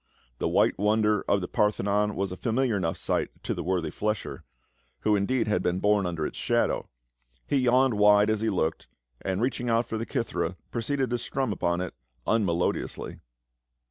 The white wonder of the Parthenon was a familiar enough sight to the worthy flesher, who in deed had been born under its shadow ; he yawned wide as he looked, and reaching out for the kithera proceeded to strum upon it unmelodiously.